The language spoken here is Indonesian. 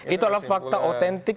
itu adalah fakta autentik